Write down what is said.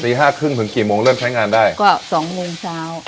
ห้าครึ่งถึงกี่โมงเริ่มใช้งานได้ก็สองโมงเช้า